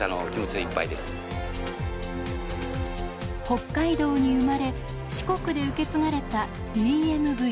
北海道に生まれ四国で受け継がれたＤＭＶ。